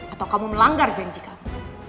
atau kamu melanggar janji kamu